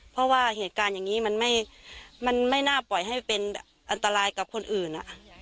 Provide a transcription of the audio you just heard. เพราะว่าเหตุการณ์อย่างนี้มันไม่น่าปล่อยให้เป็นอันตรายกับคนอื่น